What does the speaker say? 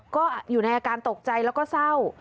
ก็อยู่ในอาการตกใจแล้วก็เศร้า